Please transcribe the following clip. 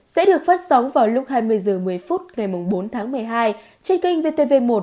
sẽ được phát sóng vào lúc hai mươi h một mươi phút ngày bốn tháng một mươi hai trên kênh vtv một